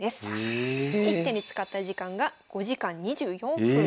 １手に使った時間が５時間２４分。